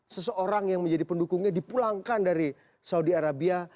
seseorang yang menjadi pendukungnya dipulangkan dari saudi arabia